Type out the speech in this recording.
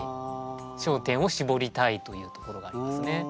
焦点を絞りたいというところがありますね。